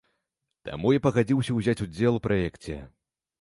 Таму я пагадзіўся ўзяць удзел у праекце.